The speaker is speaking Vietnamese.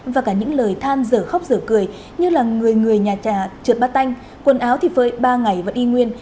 và cả những lời than giờ khóc giờ cười như là người người nhà trà trượt bát tanh quần áo thì phơi ba ngày vẫn y nguyên